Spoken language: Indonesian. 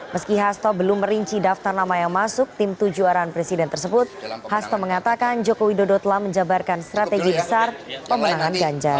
meski hasto belum merinci daftar nama yang masuk tim tujuh arahan presiden tersebut hasto mengatakan joko widodo telah menjabarkan strategi besar pemenangan ganjar